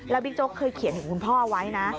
บิ๊กโจ๊กเคยเขียนถึงคุณพ่อไว้นะ